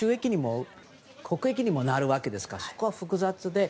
国益にもなるわけですからそこは複雑で。